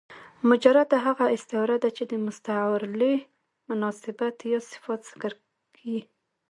مجرده هغه استعاره ده، چي د مستعارله مناسبات یا صفات ذکر يي.